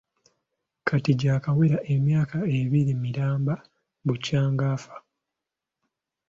Kati gy’akawera emyaka ebbiri miramba bukyanga afa.